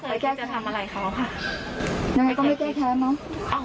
ไม่เคยได้แขล้งจับเขาไปแก้แท้นะ